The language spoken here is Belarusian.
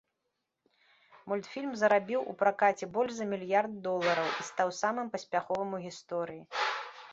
Мультфільм зарабіў у пракаце больш за мільярд долараў і стаў самым паспяховым у гісторыі.